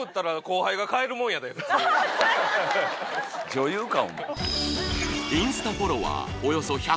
女優か。